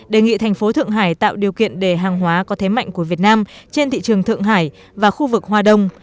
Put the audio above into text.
đề nghị thành phố thượng hải tạo điều kiện để hàng hóa có thế mạnh của việt nam trên thị trường thượng hải và khu vực hoa đông